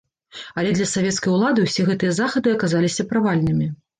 Але для савецкай улады ўсе гэтыя захады аказаліся правальнымі.